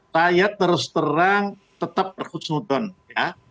saya terus terang tetap berkutus nudon ya